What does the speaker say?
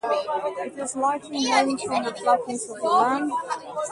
It was likely named from the flatness of the land.